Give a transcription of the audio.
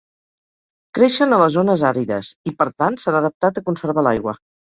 Creixen a les zones àrides i, per tant, s'han adaptat a conservar l'aigua.